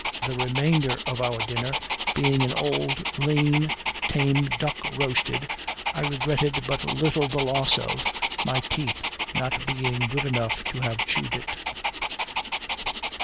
The remainder of our dinner being an old, lean, tame duck roasted, I regretted but little the loss of, my teeth not being good enough to have chewed it.